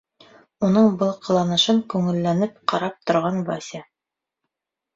Уның был ҡыланышын күңелләнеп ҡарап торған Вася: